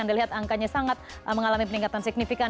anda lihat angkanya sangat mengalami peningkatan signifikan